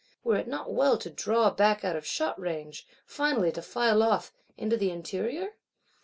Were it not well to draw back out of shot range; finally to file off,—into the interior?